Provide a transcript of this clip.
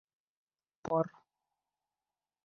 Пар